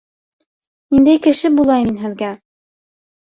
Ниндәй кеше булайым мин һеҙгә?